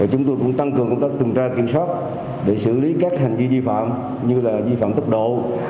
chúng tôi cũng tăng cường công tác tuần tra kiểm soát để xử lý các hành vi vi phạm như vi phạm tốc độ